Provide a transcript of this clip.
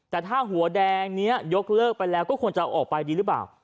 แต่ถ้าหัวแดงนี้ยกเลิกไปแล้วก็ควรจะออกไปดีหรือเปล่า